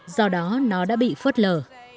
do đó nó đã bị phớt lờ